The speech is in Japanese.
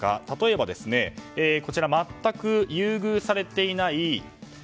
例えば全く優遇されていない